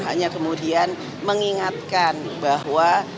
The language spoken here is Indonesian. hanya kemudian mengingatkan bahwa